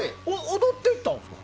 踊ってたんですか？